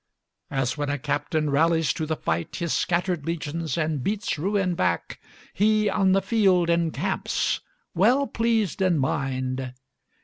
As when a captain rallies to the fight His scattered legions, and beats ruin back, He, on the field, encamps, well pleased in mind.